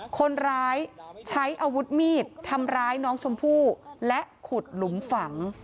คนร้ายใช้อาวุธมีดทำร้ายน้องชมพู่และขุดหลุมฝัง